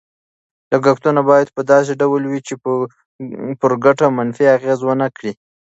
لګښتونه باید په داسې ډول وي چې پر ګټه منفي اغېز ونه کړي.